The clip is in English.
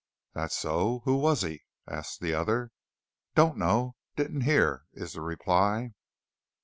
"That so? Who was he?" asks the other. "Don't know. Didn't hear," is the reply.